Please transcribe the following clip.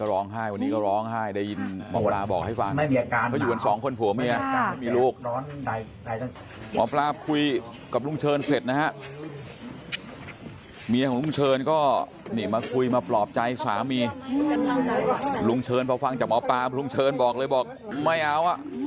ลุงเชิญพอฟังจากหมอปลาลุงเชิญบอกเลยบอกไม่เอา